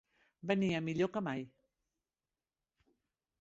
Venia millor que mai.